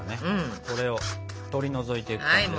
それを取り除いていく感じですか？